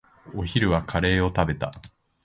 お昼はカレーを食べた。